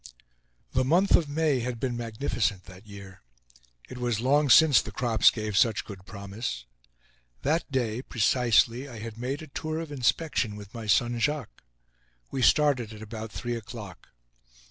The month of May had been magnificent that year. It was long since the crops gave such good promise. That day precisely, I had made a tour of inspection with my son, Jacques. We started at about three o'clock.